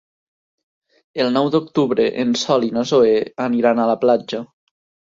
El nou d'octubre en Sol i na Zoè aniran a la platja.